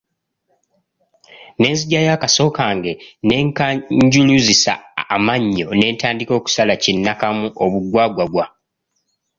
Ne nzigyayo akaso kange ne nkanjuluzisa amannyo ne ntandika okusala kinnakamu obugwagwagwa.